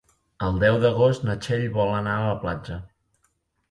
El deu d'agost na Txell vol anar a la platja.